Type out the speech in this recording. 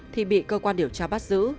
thì bị cơ quan điều tra bắt giữ